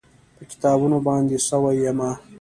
په کتابونو باندې سوی یمه